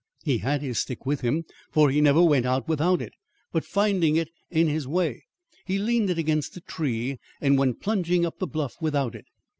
He had his stick with him, for he never went out without it, but, finding it in his way, he leaned it against a tree and went plunging up the bluff without it.